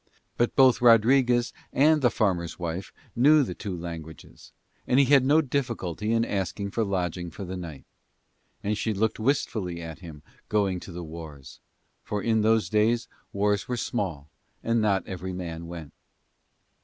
But both Rodriguez and the farmer's wife knew the two languages, and he had no difficulty in asking for lodging for the night; and she looked wistfully at him going to the wars, for in those days wars were small and not every man went.